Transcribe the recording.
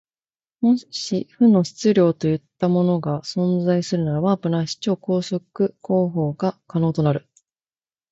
もし負の質量といったようなものが存在するなら、ワープないし超光速航法が可能となる。